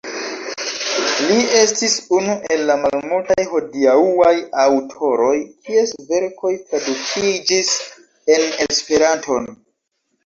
Li estis unu el la malmultaj hodiaŭaj aŭtoroj, kies verkoj tradukiĝis en Esperanton.